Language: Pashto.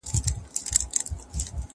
زه اجازه لرم چي واښه راوړم؟